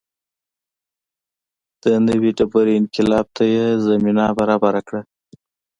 د نوې ډبرې انقلاب ته یې زمینه برابره کړه.